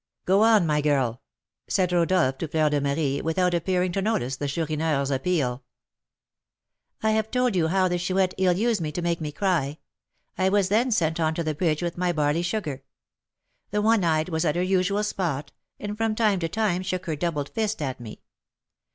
"Go on, my girl," said Rodolph to Fleur de Marie, without appearing to notice the Chourineur's appeal. "I have told you how the Chouette ill used me to make me cry. I was then sent on to the bridge with my barley sugar. The one eyed was at her usual spot, and from time to time shook her doubled fist at me.